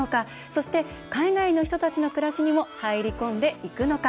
そして、海外の人たちの暮らしにも入り込んでいくのか。